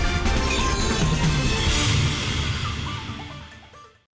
dapet dah kita liat ya